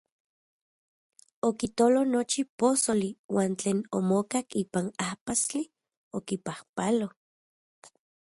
Okitolo nochi posoli uan tlen omokak ipan ajpastli, okipajpalo.